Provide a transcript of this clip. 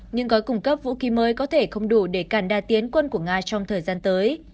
những gói cung cấp vũ khí mới có thể không đủ để cản đa tiến quân của nga trong thời gian tới